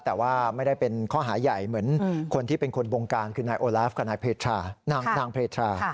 แต่ว่าไม่ได้เป็นข้อหาใหญ่เหมือนคนที่เป็นคนบงการคือนายโอลาฟกับนายนางเพทรา